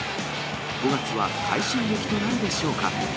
５月は快進撃となるでしょうか。